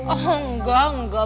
oh enggak enggak